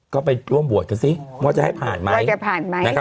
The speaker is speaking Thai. ก็ไปร่วมบวชกันซิว่าจะให้ผ่านไหม